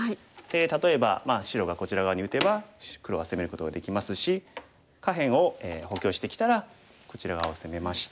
例えば白がこちら側に打てば黒は攻めることができますし下辺を補強してきたらこちら側を攻めまして。